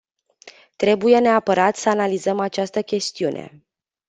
Trebuie neapărat să analizăm această chestiune.